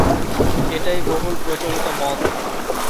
এটাই বহুল প্রচলিত মত।